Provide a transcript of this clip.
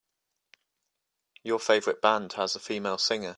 Your favorite band has a female singer.